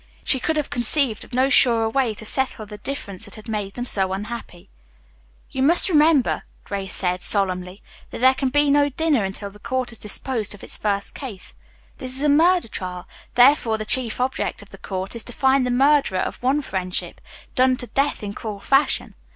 She could have conceived of no surer way to settle the difference that had made them so unhappy. "You must remember," Grace said solemnly, "that there can be no dinner until the court has disposed of its first case. This is a murder trial, therefore the chief object of the court is to find the murderer of one friendship, done to death in cruel fashion.